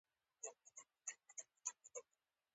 ازادي راډیو د عدالت په اړه د حل کولو لپاره وړاندیزونه کړي.